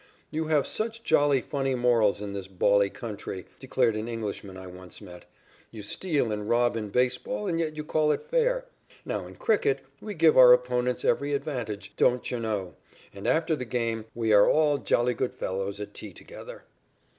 "You have such jolly funny morals in this bally country," declared an Englishman I once met. "You steal and rob in baseball and yet you call it fair. Now in cricket we give our opponents every advantage, don't cher know, and after the game we are all jolly good fellows at tea together."